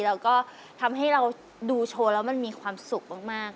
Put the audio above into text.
แล้วก็ทำให้เราดูโชว์แล้วมันมีความสุขมาก